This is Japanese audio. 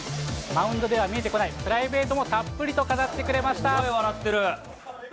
マウンドでは見えてこない、プライベートもたっぷりと語ってすごい笑ってる。